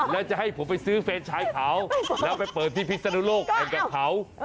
แล้วจะให้ผมไปซื้อเฟรนชายเขาแล้วไปเปิดที่พิศนุโลกแข่งกับเขา